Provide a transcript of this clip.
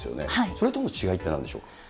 それとの違いってなんでしょうか。